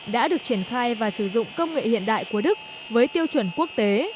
đã được triển khai và sử dụng công nghệ hiện đại của đức với tiêu chuẩn quốc tế